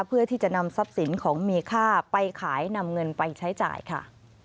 เพื่อที่จะนำทรัพย์สินของมีค่าไปขายนำเงินไปใช้จ่ายค่ะ